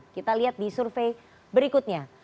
kita lihat di survei berikutnya